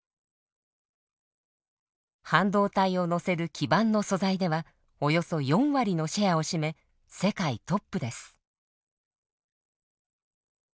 半導体を載せる基板の素材ではおよそ４割のシェアを占め世界トップです。